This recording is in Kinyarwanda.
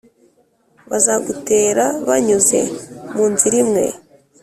Bazagutera banyuze mu nzira imwe,